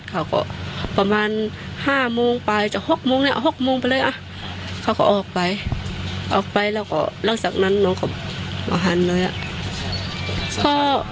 เขาก็ประมาณห้างมูกไปหกมูกหลังสักนั้นถึงนแรก